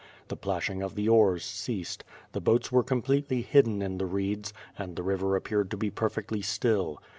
The plashing of the oars ceased; the boats were completely hidden in the reeds, and the river appeared to be perfectly still.